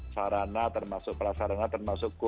sarana termasuk prasarana termasuk gold chain